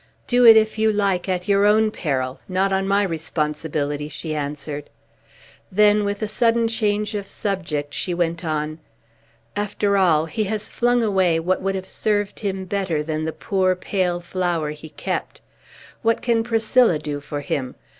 "Do it if you like, at your own peril, not on my responsibility," she answered. Then, with a sudden change of subject, she went on: "After all, he has flung away what would have served him better than the poor, pale flower he kept. What can Priscilla do for him?